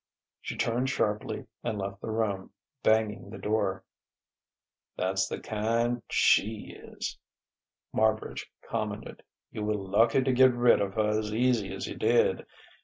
She turned sharply and left the room, banging the door. "That's the kind she is," Marbridge commented. "You were lucky to get rid of her as easy as you did....